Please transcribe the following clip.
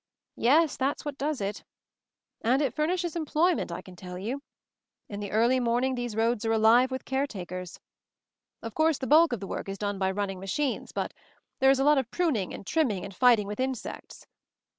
"Yes — that's what does it. And it furnishes employment, I can tell you. In the early morning these roads are alive with caretakers. Of course the bulk of the work is done by running machines; but there is a lot of pruning and trimming and fighting with insects.